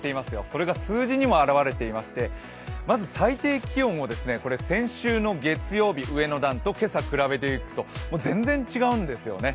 それが数字にも表れていましてまず最低気温を、先週の月曜日、上の段と今朝比べていくと、全然違うんですよね。